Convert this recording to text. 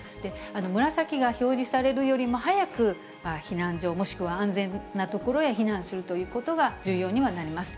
紫が表示されるよりも早く避難所、もしくは安全な所へ避難するということが重要にはなります。